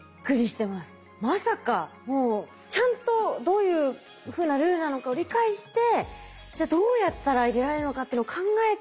まさかもうちゃんとどういうふうなルールなのかを理解してじゃあどうやったら入れられるのかっていうのを考えて。